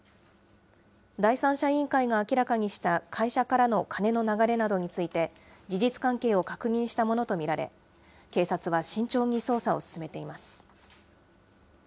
第三者委員会が明らかにした会社からの金の流れなどについて、事実関係を確認したものと見られ、警察は慎重に捜査を進めています。